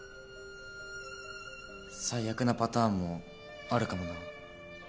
最悪なパターンもあるかもな。